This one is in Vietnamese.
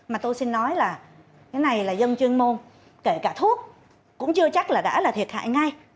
mà tôi xin nói là cái này là dân chuyên môn kể cả thuốc cũng chưa chắc là đã là thiệt hại ngay